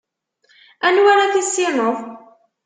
Anwa ara tissineḍ?